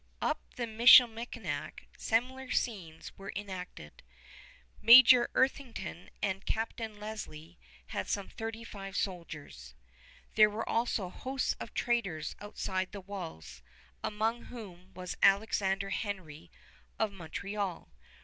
Up at Michilimackinac similar scenes were enacted. Major Etherington and Captain Leslie had some thirty five soldiers. There were also hosts of traders outside the walls, among whom was Alexander Henry of Montreal.